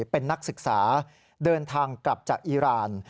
เป็นนักศึกษาเดินทางกลับจากอีราน